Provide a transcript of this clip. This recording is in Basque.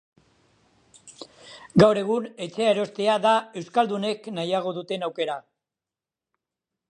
Gaur egun, etxea erostea da euskaldunek nahiago duten aukera.